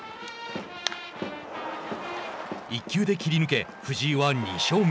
１球で切り抜け、藤井は２勝目。